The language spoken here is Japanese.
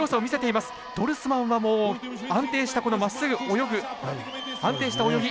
ドルスマンはもう安定したこのまっすぐ泳ぐ安定した泳ぎ。